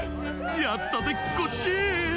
やったぜコッシー！